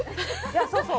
そうそう！